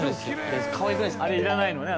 あれいらないのね？